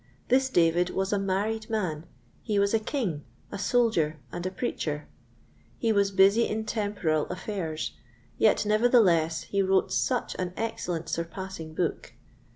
This David was a married man; he was a king, a soldier, and a preacher; he was busy in temporal affairs, yet nevertheless he wrote such an excellent surpassing book.